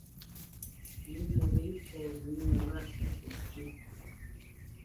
Pʉ̌nə wê fɔ wʉ̌nə wâ á təŋkyé.